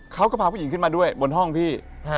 เขาก็พาผู้หญิงขึ้นมาด้วยบนห้องพี่